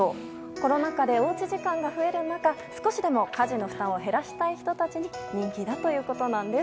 コロナ禍でおうち時間が増える中少しでも家事の負担を減らしたい人たちに人気なのだそうです。